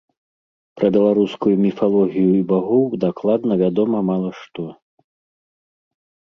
Пра беларускую міфалогію і багоў дакладна вядома мала што.